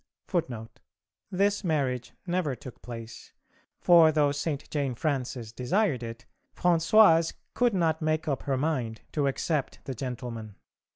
FOOTNOTES: [A] This marriage never took place, for, though St. Jane Frances desired it, Françoise could not make up her mind to accept the gentleman.